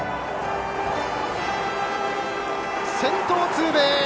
先頭ツーベース！